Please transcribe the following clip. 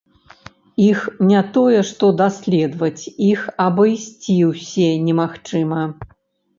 Іх не тое, што даследаваць, іх абысці ўсе немагчыма!